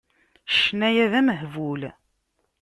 Ccna-ya d amehbul.